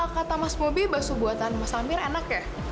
kata mas mobi basuh buatan mas amir enak ya